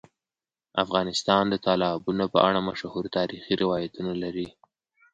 افغانستان د تالابونه په اړه مشهور تاریخی روایتونه لري.